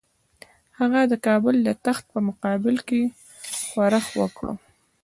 هغه د کابل د تخت په مقابل کې ښورښ وکړ.